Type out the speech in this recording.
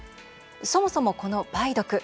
そもそも、この梅毒。